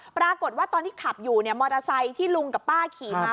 ปรากฏว่าตอนที่ขับอยู่เนี่ยมอเตอร์ไซค์ที่ลุงกับป้าขี่มา